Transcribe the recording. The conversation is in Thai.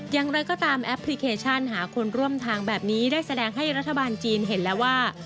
อย่างไรก็ตามแอปพลิเคชันหาคนร่วมทางแบบนี้ได้แสดงให้รัฐบาลจีนเห็นแล้วว่า